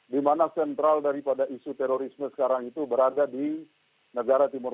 di mana sentral daripada isu terorisme sekarang itu berada di negara timur